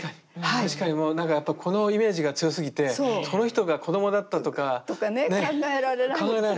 確かになんかやっぱこのイメージが強すぎてこの人が子供だったとか。とかね考えられないでしょ。